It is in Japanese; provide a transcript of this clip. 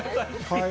はい。